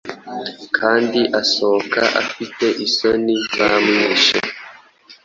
kandi asohoka afite isoni zamwishe